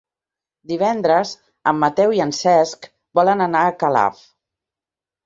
Divendres en Mateu i en Cesc volen anar a Calaf.